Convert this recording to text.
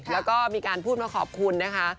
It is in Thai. แล้วก็มีการพูดมาขอบคุณนะคะ